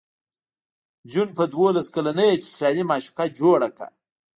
جون په دولس کلنۍ کې خیالي معشوقه جوړه کړه